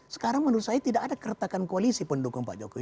sekarang menurut saya tidak ada keretakan koalisi pendukung pak jokowi